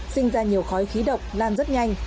sinh ra nhiều khói khí độc lan rất nhanh